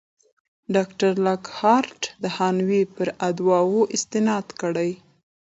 ډاکټر لاکهارټ د هانوې پر ادعاوو استناد کړی دی.